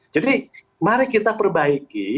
jadi mari kita perbaiki